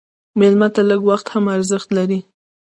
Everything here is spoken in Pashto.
مېلمه ته لږ وخت هم ارزښت لري.